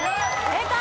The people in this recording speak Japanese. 正解！